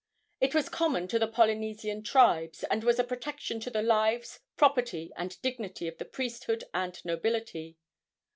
It was common to the Polynesian tribes, and was a protection to the lives, property and dignity of the priesthood and nobility.